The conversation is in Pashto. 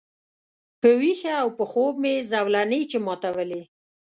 په ویښه او په خوب مي زولنې چي ماتولې